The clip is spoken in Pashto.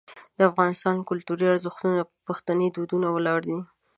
د افغانستان کلتوري ارزښتونه په پښتني دودونو ولاړ دي.